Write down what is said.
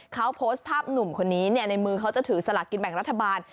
เขาโพสต์ภาพหนุ่มคนนี้ในมือเขาจะถือสลากกินแบ่งรัฐบาล